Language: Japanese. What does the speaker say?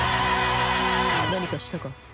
何かしたか？